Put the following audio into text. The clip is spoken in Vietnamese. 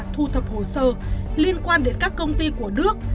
thu thập hồ sơ liên quan đến các công ty của đức